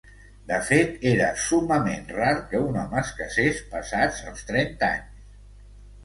De fet, era summament rar que un home es casés passats els trenta anys.